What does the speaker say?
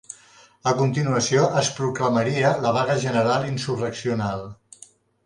A continuació es proclamaria la vaga general insurreccional.